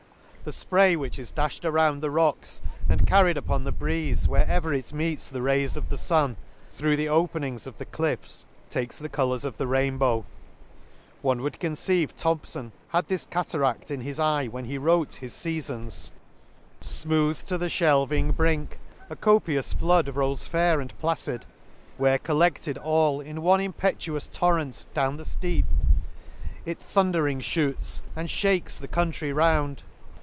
— The fpray which is dafhed around the rocks, and carried upon the breeze, where ever it meets the rays of the fun, through the openings of the cliffs, takes the colours of the rainbow. — One would conceive Thompfon had this cataradl in his eye, when he w r rote his feafons :" Smooth 142 An Excursion to tc Smooth to the fhelvlng brink, a copious flood " Rolls fair and placid ; where collected all " In one impetuous torrent down the fteep 46 It thundering fhoots, and fhakes the country round.